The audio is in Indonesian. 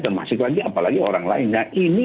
termasuk lagi apalagi orang lain nah ini